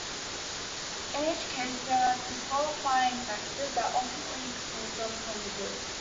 In each case, there are disqualifying factors that ultimately exclude them from the group.